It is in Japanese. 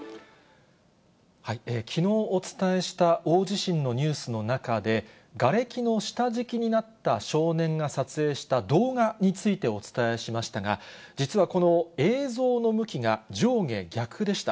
きのうお伝えした大地震のニュースの中で、がれきの下敷きになった少年が撮影した動画についてお伝えしましたが、実はこの映像の向きが上下逆でした。